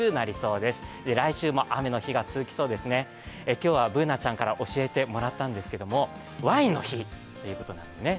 今日はＢｏｏｎａちゃんから教えてもらったんですけども、ワインの日ということですね。